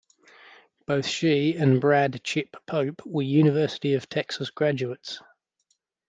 Both she and Brad "Chip" Pope were University of Texas graduates.